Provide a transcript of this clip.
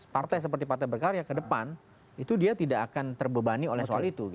partai seperti partai berkarya ke depan itu dia tidak akan terbebani oleh soal itu